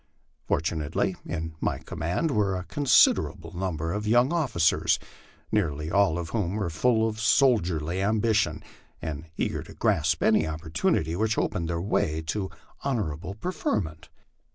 Fortunately, in my command were a considerable number of young officers, nearly all of whom were full of soldierly ambition, and eager to grasp any opportunity which opened the way to honorable preferment.